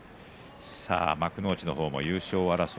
幕内の方も優勝争い